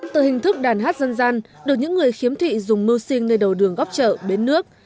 từ hình thức đàn hát dân gian được những người khiếm thị dùng mưu sinh nơi đầu đường góc chợ bến nước